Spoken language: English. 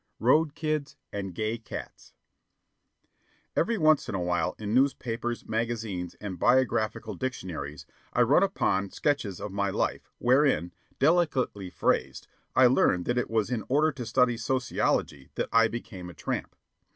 ROAD KIDS AND GAY CATS Every once in a while, in newspapers, magazines, and biographical dictionaries, I run upon sketches of my life, wherein, delicately phrased, I learn that it was in order to study sociology that I became a tramp.